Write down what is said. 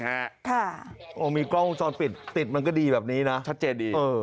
ค่ะมีกล้องคุณจรปิดติดมันก็ดีแบบนี้นะเออชัดเจน